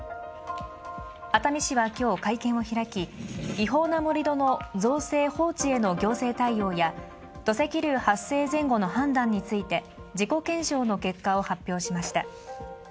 熱海市は今日会見を開き違法な盛り土の造成・放置への行政対応や土石流発生前後の判断について、自己検証の結果を発表しました。